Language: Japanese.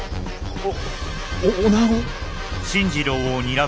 おっ女子？